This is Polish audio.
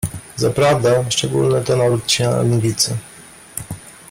"Zaprawdę, szczególny to naród ci Anglicy."